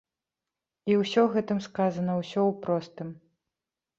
І ўсё гэтым сказана, усё ў простым.